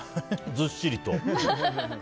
ずっしりと。